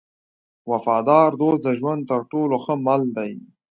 وفادار دوست د ژوند تر ټولو ښه مل دی.